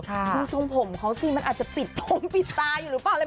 ดูทรงผมเซียมันอาจจะปิดตรงปิดตาอยู่หรือเปล่า